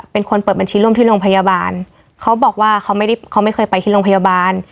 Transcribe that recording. เป็นคนเปิดบัญชีร่วมที่โรงพยาบาลเขาบอกว่าเขาไม่ได้เขาไม่เคยไปที่โรงพยาบาล